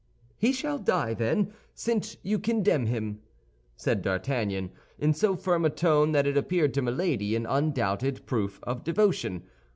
"He shall die, then, since you condemn him!" said D'Artagnan, in so firm a tone that it appeared to Milady an undoubted proof of devotion.